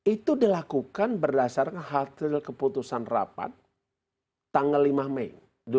itu dilakukan berdasarkan hadir keputusan rapat tanggal lima mei dua ribu dua puluh satu